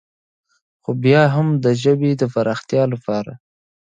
خو بيا هم د ژبې د فراختيا دپاره